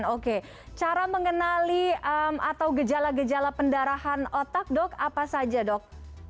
oke cara mengenali atau gejala gejala pendarahan otak dok apa saja dok